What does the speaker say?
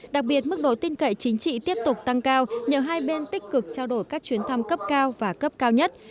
đặc biệt mức độ tin cậy chính trị tiếp tục tăng cao nhờ hai bên tích cực trao đổi các chuyến thăm cấp cao và cấp cao nhất